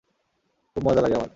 খুব মজা লাগে আমার।